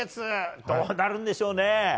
どうなるんでしょうね。